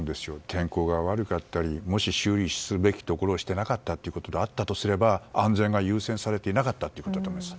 天候が悪かったりもし修理するべきところをしていなかったということであったとすれば安全が優先されていなかったということだと思います。